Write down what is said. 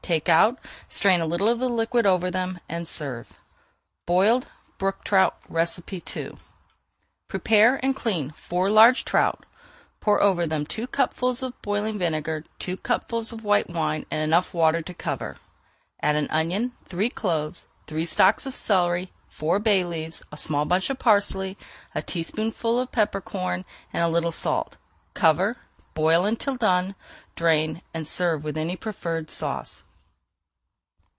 Take out, strain a little of the liquid over them, and serve. BOILED BROOK TROUT II Prepare and clean four large trout, pour over then two cupfuls of boiling vinegar, two cupfuls of white wine, and enough water to cover. Add an onion, three cloves, three stalks of celery, four bay leaves, a small bunch of parsley, a teaspoonful of peppercorns, and a little salt. Cover, boil until done, drain, and serve with any preferred sauce.